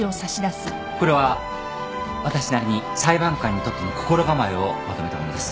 これは私なりに裁判官にとっての心構えをまとめたものです。